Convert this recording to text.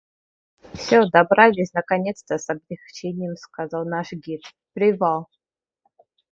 — Всё, добрались наконец-то, — с облегчением сказал наш гид, — привал!